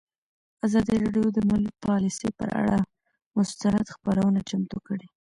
ازادي راډیو د مالي پالیسي پر اړه مستند خپرونه چمتو کړې.